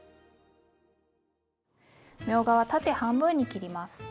みょうがは縦半分に切ります。